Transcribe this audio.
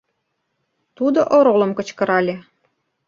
Тудо оролым кычкырале.